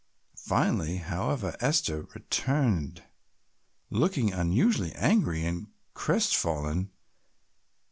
Finally, however, Esther returned looking unusually angry and crestfallen.